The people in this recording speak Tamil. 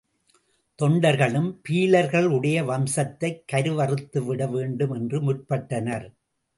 தொண்டர்களும் பீலர்களுடைய வம்சத்தைக் கருவறுத்துவிடவேண்டும் என்று முற்பட்டனர்.